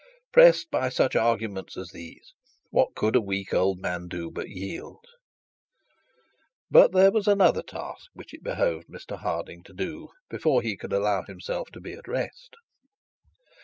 Pressed by such arguments as these, what could a weak man do but yield? But there was yet another task which it behoved Mr Harding to do before he could allow himself to be at rest.